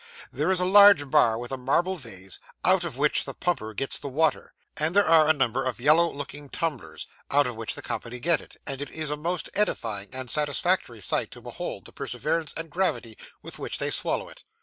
There is a large bar with a marble vase, out of which the pumper gets the water; and there are a number of yellow looking tumblers, out of which the company get it; and it is a most edifying and satisfactory sight to behold the perseverance and gravity with which they swallow it.